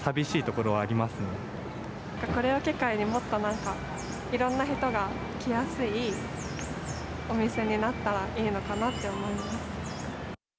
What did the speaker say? これを機会にもっとなんかいろんな人が来やすいお店になったらいいのかなって思います。